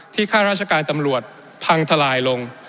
ข้าราชการตำรวจพังทลายลง